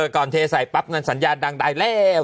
ก่อนเทใส่ปั๊บนั้นสัญญาณดังได้แล้ว